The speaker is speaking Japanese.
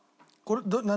何？